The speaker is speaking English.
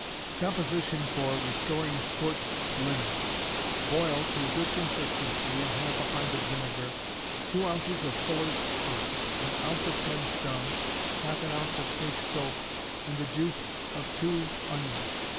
Composition for Restoring Scorched Linen. Boil, to a good consistency, in half a pint of vinegar, two ounces of fuller's earth, an ounce of hen's dung, half an ounce of cake soap, and the juice of two onions.